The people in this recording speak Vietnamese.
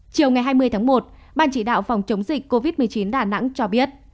chiều ngày hai mươi tháng một ban chỉ đạo phòng chống dịch covid một mươi chín đà nẵng cho biết